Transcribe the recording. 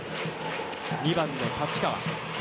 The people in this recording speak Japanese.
２番の太刀川。